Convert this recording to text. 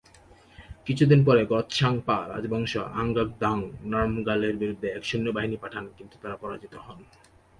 কিছুদিন পরে গ্ত্সাং-পা রাজবংশ ঙ্গাগ-দ্বাং-র্নাম-র্গ্যালের বিরুদ্ধে এক সৈন্যবাহিনী পাঠান কিন্তু তারা পরাজিত হন।